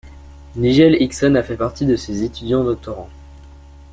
Nigel Higson a fait partie de ses étudiants doctorants.